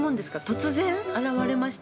突然現れました？